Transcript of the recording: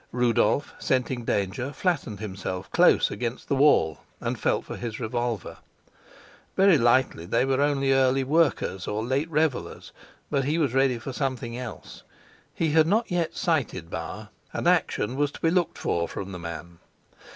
Rudolf, scenting danger, flattened himself close against the wall and felt for his revolver. Very likely they were only early workers or late revelers, but he was ready for something else; he had not yet sighted Bauer, and action was to be looked for from the man.